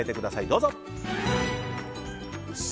どうぞ。